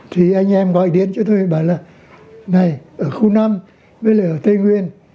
thì anh em gọi điện cho tôi bảo là này ở khu năm với là ở tây nguyên